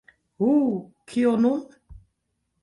Uh... kio nun?